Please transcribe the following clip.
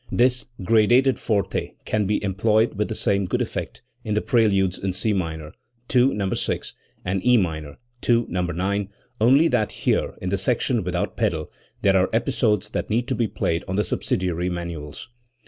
This gradated forte can be employed with the same good effect in the preludes in C minor (II, No. 6) and' E minor (II, No, 9), only that here, in the section without pedal, there are episodes that need to be played on the subsidiary manuals.